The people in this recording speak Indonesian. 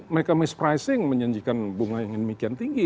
mereka miss pricing menjanjikan bunga yang demikian tinggi